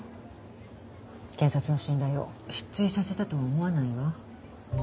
検察の信頼を失墜させたとは思わないわ。